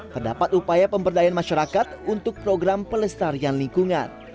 terdapat upaya pemberdayaan masyarakat untuk program pelestarian lingkungan